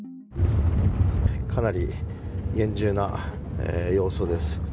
かなり厳重な様相です。